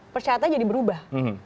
persyaratan jadi berubah